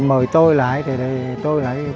mời tôi lại thì tôi lại tôn tạo